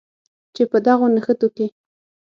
چې په دغو نښتو کې